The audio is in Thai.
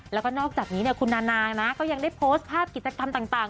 แล้วก็นอกจากนี้คุณนานานะก็ยังได้โพสต์ภาพกิจกรรมต่าง